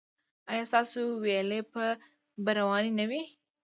ایا ستاسو ویالې به روانې نه وي؟